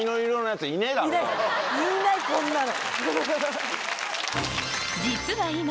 いないこんなの。